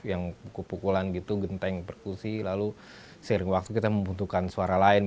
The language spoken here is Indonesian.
yang pukul pukulan gitu genteng perkusi lalu seiring waktu kita membutuhkan suara lain